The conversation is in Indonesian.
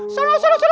seru seru seru